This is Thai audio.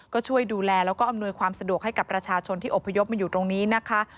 ก็ช่วยดูแลแล้วก็อำนวยความสะดวกให้กับประชาชนที่อบพยพมาอยู่ตรงนี้นะคะ